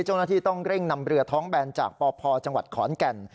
เจ้าหน้าที่ต้องเร่งนำเรือท้องแบนจากปพจังหวัดขอนแก่น